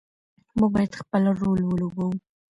موږ باید خپل رول ولوبوو.